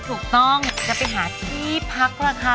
ถูกต้องจะไปหาที่พักราคา